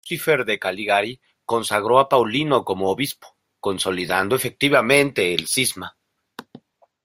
Lucifer de Cagliari consagró a Paulino como obispo, consolidando efectivamente el cisma.